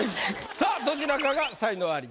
さあどちらかが才能アリ１位